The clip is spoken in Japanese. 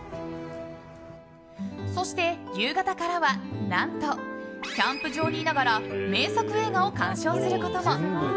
そして、夕方からは何とキャンプ場にいながら名作映画を鑑賞することも。